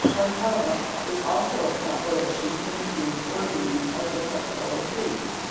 _ Cocoa is also a preparation from the seeds or beans of the cocoa tree.